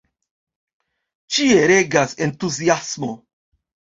Ĉie regas entuziasmo.